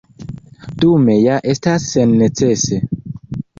Dume ja estas sennecese.